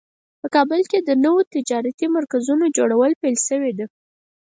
په کابل کې د نوو تجارتي مرکزونو جوړول پیل شوی ده